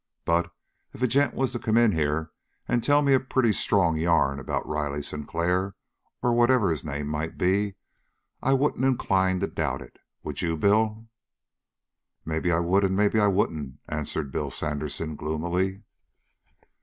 But, if a gent was to come in here and tell me a pretty strong yarn about Riley Sinclair, or whatever his name might be, I wouldn't incline to doubt of it, would you, Bill?" "Maybe I would, and maybe I wouldn't," answered Bill Sandersen gloomily.